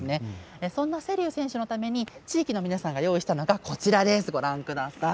そんな瀬立選手のために地域の皆さんが用意したのがこちら、ご覧ください。